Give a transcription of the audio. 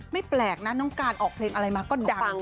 แปลกนะน้องการออกเพลงอะไรมาก็ดัง